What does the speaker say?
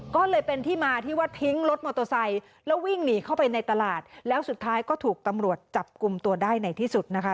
ก็เลยเป็นที่มาที่ว่าทิ้งรถมอเตอร์ไซค์แล้ววิ่งหนีเข้าไปในตลาดแล้วสุดท้ายก็ถูกตำรวจจับกลุ่มตัวได้ในที่สุดนะคะ